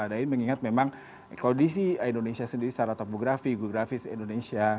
yaitu karena mengingat memang kondisi indonesia sendiri secara topografi grafis indonesia